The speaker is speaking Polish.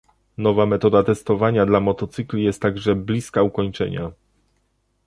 Nowa metoda testowania dla motocykli jest także bliska ukończenia